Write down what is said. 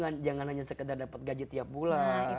kalau niatnya hanya itu pastinya sekedar dapat gaji tiap bulan ya